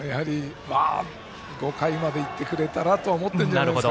５回まで行ってくれたらと思ってるんじゃないですか